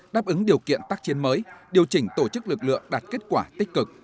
đáp ứng điều kiện tác chiến mới điều chỉnh tổ chức lực lượng đạt kết quả tích cực